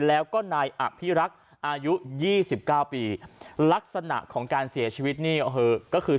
แล้วก็นายอภิรักษ์อายุ๒๙ปีลักษณะของการเสียชีวิตนี่ก็คือ